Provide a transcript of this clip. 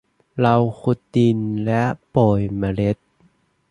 เราขุดดินและโปรยเมล็ด